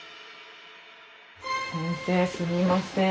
先生すみません。